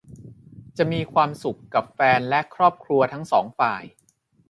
จะมีความสุขกับแฟนและครอบครัวทั้งสองฝ่าย